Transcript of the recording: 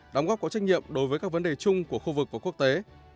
đóng góp có trách nhiệm đối với các vấn đề chung của khu vực và quốc tế